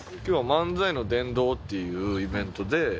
今日は「漫才のＤＥＮＤＯ」っていうイベントで。